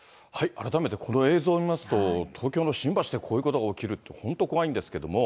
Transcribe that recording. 改めて、この映像を見ますと、東京の新橋でこういうことが起きるって本当怖いんですけども。